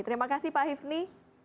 terima kasih pak hivni